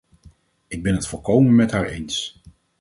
Ik ben het volkomen met haar eens.